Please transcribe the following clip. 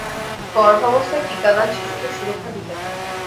গর্ভাবস্থায় টিকাদান শিশুকে সুরক্ষা দিতে পারে।